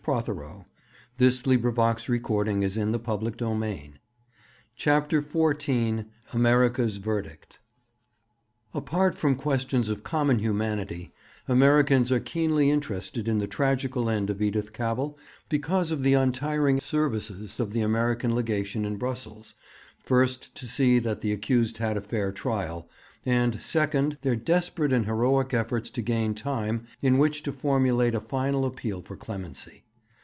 Everywhere they betray a lack of the most elementary conception of psychology.' XIV AMERICA'S VERDICT Apart from questions of common humanity, Americans are keenly interested in the tragical end of Edith Cavell because of the untiring services of the American Legation in Brussels, first to see that the accused had a fair trial, and, second, their desperate and heroic efforts to gain time in which to formulate a final appeal for clemency.